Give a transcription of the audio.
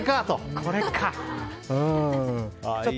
これか！と。